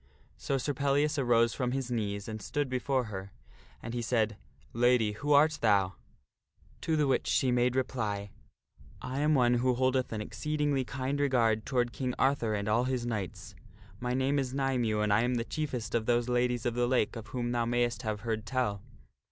So Sir Pellias arose from his knees and stood before her, and he said, " Lady, who art thou?" To the which she made reply, " I am one who holdeth an exceedingly kind regard toward King Arthur and all his knights. My name is Nymue and I am the chief est of those Ladies of the Lake of whom thou mayst have heard tell.